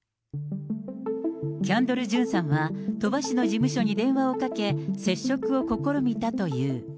キャンドル・ジュンさんは、鳥羽氏の事務所に電話をかけ、接触を試みたという。